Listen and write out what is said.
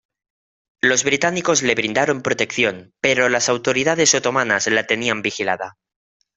Los británicos le brindaron protección, pero las autoridades otomanas la tenían vigilada.